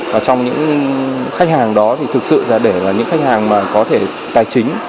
và trong những khách hàng đó thì thực sự là để những khách hàng mà có thể tài chính